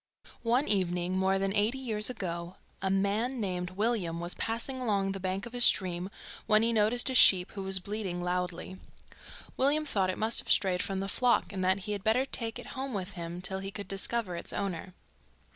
One evening more than eighty years ago a man named William was passing along the bank of a stream when he noticed a sheep who was bleating loudly. William thought it must have strayed from the flock, and that he had better take it home with him till he could discover its owner.